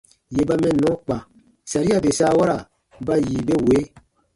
Yè ba mɛnnɔ kpa, saria bè saawara ba yi be wee: